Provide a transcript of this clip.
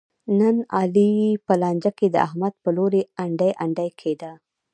نن علي په لانجه کې د احمد په لوري انډی انډی کېدا.